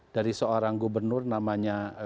dari seorang gubernur namanya